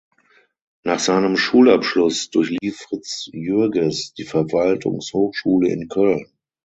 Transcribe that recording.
Nach seinem Schulabschluss durchlief Fritz Jürges die Verwaltungshochschule in Köln.